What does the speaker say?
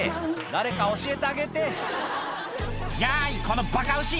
誰か教えてあげて「やいこのバカ牛！」